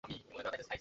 গেছে, গেছে!